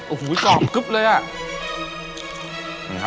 โอ้โหจอบกึ๊บเลยอ่ะ